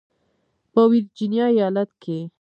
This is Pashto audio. په ورجینیا ایالت کې